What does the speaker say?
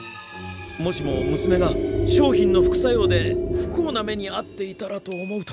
もしもむすめが商品の副作用で不幸な目にあっていたらと思うと。